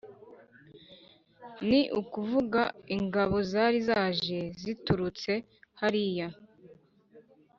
ni ukuvuga ingabo zari zaje ziturutse hariya